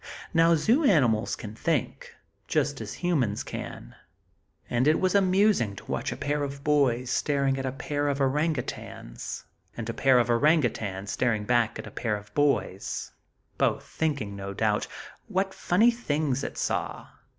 Now zoo animals can think, just as humans can; and it was amusing to watch a pair of boys staring at a pair of orang outangs; and a pair of orang outangs staring back at a pair of boys; both thinking, no doubt, what funny things it saw!